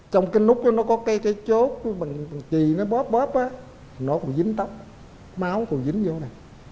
trong cái nút nó có cây cháy chốt bằng chì nó bóp bóp đó nó còn dính tóc máu còn dính vô nè